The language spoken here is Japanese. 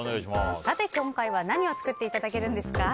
今回は何を作っていただけるんですか？